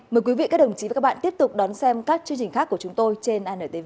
mời quý vị các đồng chí và các bạn tiếp tục đón xem các chương trình khác của chúng tôi trên antv